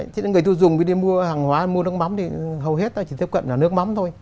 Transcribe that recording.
thế người tiêu dùng đi mua hàng hóa mua nước mắm thì hầu hết ta chỉ tiếp cận là nước mắm thôi